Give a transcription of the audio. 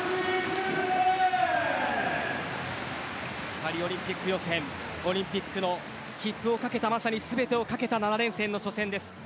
パリオリンピック予選オリンピックの切符を懸けた全てを懸けた７連戦の初戦です。